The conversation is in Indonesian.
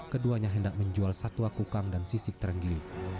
keduanya hendak menjual satwa kukang dan sisik terenggili